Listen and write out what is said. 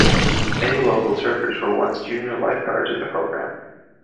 Many local surfers were once junior lifeguards in the program.